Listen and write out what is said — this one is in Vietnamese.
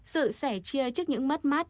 sự sẻ chia trước những mất mát